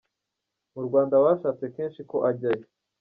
Mu Rwanda bashatse kenshi ko ajyayo.